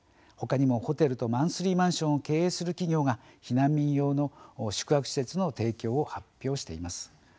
ほかにも、ホテルとマンスリーマンションを経営する企業が避難民用の宿泊施設の提供を発表しています。